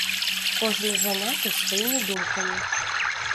Кожны заняты сваімі думкамі.